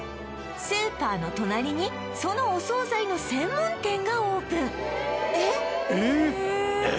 スーパーの隣にそのお惣菜の専門店がオープンえっ！？